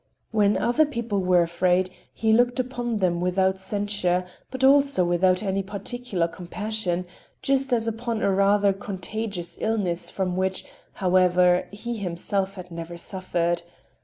When other people were afraid, he looked upon them without censure but also without any particular compassion, just as upon a rather contagious illness from which, however, he himself had never suffered.